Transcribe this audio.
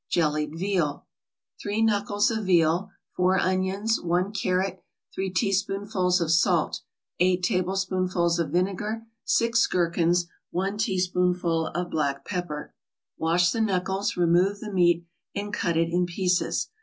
JELLIED VEAL 3 knuckles of veal 4 onions 1 carrot 3 teaspoonfuls of salt 8 tablespoonfuls of vinegar 6 gherkins 1 teaspoonful of black pepper Wash the knuckles, remove the meat and cut it in pieces.